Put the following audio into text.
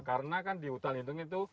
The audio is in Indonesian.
karena kan di hutan itu